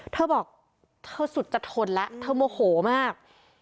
เธอบอกเธอสุดจะทนแล้วเธอโมโหมาก